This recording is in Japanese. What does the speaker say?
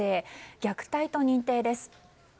虐待と認定です。